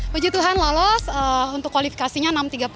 puji tuhan lolos untuk kualifikasinya enam tiga puluh